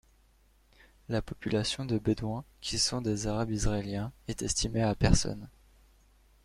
La population de Bédouins, qui sont des Arabes israéliens, est estimée a personnes.